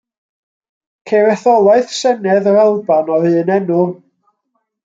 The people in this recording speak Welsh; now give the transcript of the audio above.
Ceir etholaeth Senedd yr Alban o'r un enw.